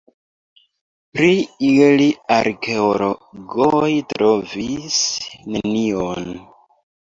Pri ili arkeologoj trovis nenion.